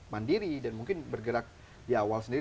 mandiri dan mungkin bergerak di awal sendiri